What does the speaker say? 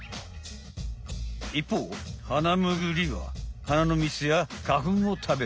いっぽうハナムグリは花のみつや花ふんを食べる。